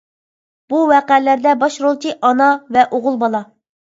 بۇ ۋەقەلەردە باش رولچى ئانا ۋە ئوغۇل بالا.